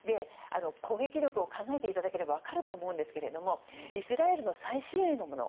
攻撃力を考えていただければ分かると思うんですけれどもイスラエルの最新鋭のもの